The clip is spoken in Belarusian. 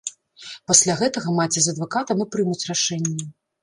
Пасля гэтага маці з адвакатам і прымуць рашэнне.